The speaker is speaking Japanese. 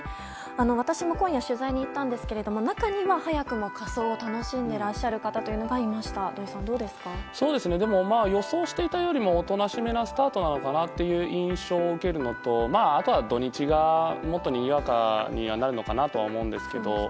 私も今夜取材に行ったんですけれども中には、早くも仮装を楽しんでいらっしゃる方が予想していたよりもおとなしめなスタートなのかなという印象なのとあとは、土日はもっとにぎやかにはなるのかなとは思うんですけど。